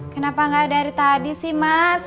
kenapa nggak dari tadi sih mas